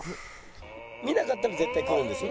見なかったら絶対来るんですよね？